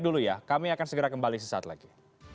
dulu ya kami akan segera kembali sesaat lagi